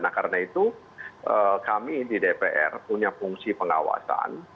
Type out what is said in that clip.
nah karena itu kami di dpr punya fungsi pengawasan